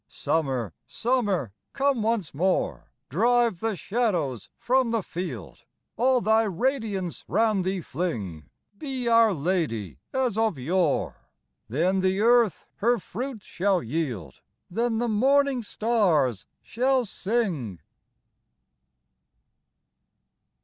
Summer, Summer, come once more, Drive the shadows from the field, All thy radiance round thee fling, Be our lady as of yore; Then the earth her fruits shall yield, Then the morning stars shall sing.